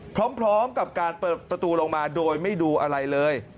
พร้อมกับการเปิดประตูลงมาโดยไม่ดูอะไรเลย